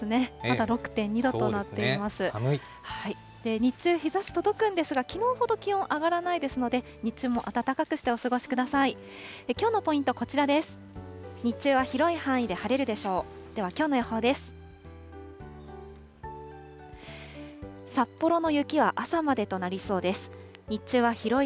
日中、日ざし届くんですが、きのうほど気温上がらないですので、日中も暖かくしてお過ごしください。